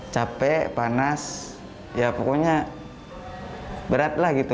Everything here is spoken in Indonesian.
capek panas ya pokoknya berat lah gitu